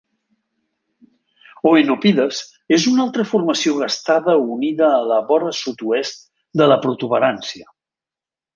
Oenopides és una altra formació gastada unida a la vora sud-oest de la protuberància.